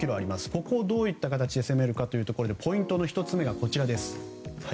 ここをどういった形で攻めるかということでポイントの１つ目がこちら。